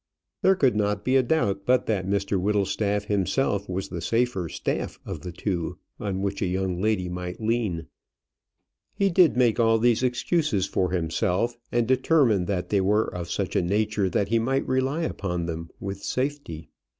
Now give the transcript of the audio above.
There could not be a doubt but that Mr Whittlestaff himself was the safer staff of the two on which a young lady might lean. He did make all these excuses for himself, and determined that they were of such a nature that he might rely upon them with safety.